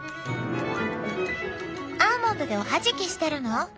アーモンドでおはじきしてるの？